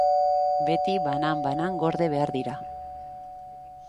Beti banan-banan gorde behar dira.